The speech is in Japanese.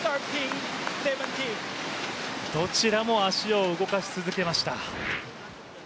どちらも足を動かし続けました。